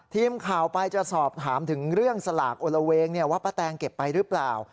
ทีมข่าวไปจะสอบถามถึงเรื่องสลากโอละเวงว่าป้าแตงเก็บไปหรือเปล่า